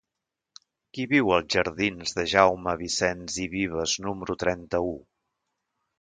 Qui viu als jardins de Jaume Vicens i Vives número trenta-u?